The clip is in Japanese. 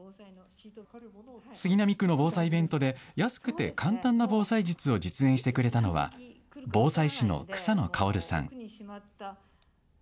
杉並区の防災イベントで安くて簡単な防災術を実演してくれたのは防災士の草野かおるさん。